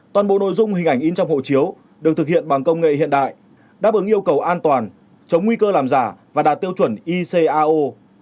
toàn bộ nội dung hình ảnh in trong hộ chiếu được thực hiện bằng công nghệ hiện đại đáp ứng yêu cầu an toàn chống nguy cơ làm giả và đạt tiêu chuẩn icao